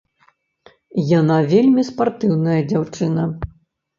Яна вельмі спартыўная дзяўчына.